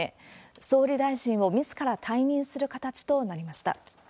総理大臣をみずから退任する形となりました。